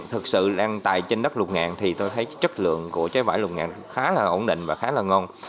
thực sự đang tại trên đất lục ngạn thì tôi thấy chất lượng của trái vải lục ngạn khá là ổn định và khá là ngon